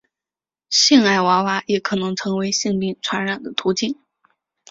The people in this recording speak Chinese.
性爱娃娃也可能成为性病传染的途径。